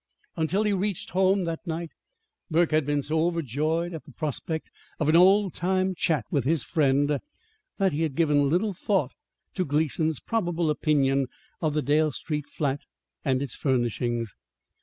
Until he had reached home that night, Burke had been so overjoyed at the prospect of an old time chat with his friend that he had given little thought to Gleason's probable opinion of the Dale Street flat and its furnishings.